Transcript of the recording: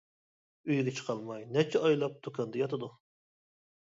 ئۆيىگە چىقالماي نەچچە ئايلاپ دۇكاندا ياتىدۇ.